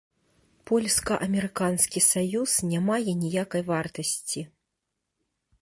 Польска-амерыканскі саюз не мае ніякай вартасці.